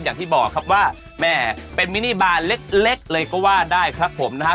อย่างที่บอกครับว่าแม่เป็นมินิบานเล็กเลยก็ว่าได้ครับผมนะฮะ